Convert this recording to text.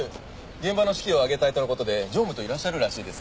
現場の士気を上げたいとのことで常務といらっしゃるらしいです。